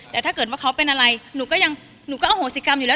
แต่ถ้าเกิดว่าเขาเป็นอะไรหนูก็ยังหนูก็อโหสิกรรมอยู่แล้ว